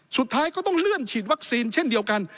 สุดท้ายก็ต้องเลื่อนฉีดวัคซีนเช่นเดียวกัน